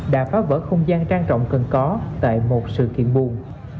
đã phá vỡ không gian trang trọng cần có tại một sự kiện buồn